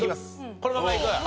このままいく。